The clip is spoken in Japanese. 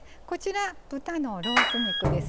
豚のロース肉です。